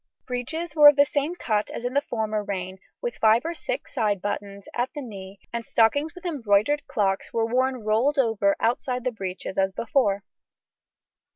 Breeches were of the same cut as in the former reign, with five or six side buttons at the knee, and stockings with embroidered clocks were worn rolled over outside the breeches as before.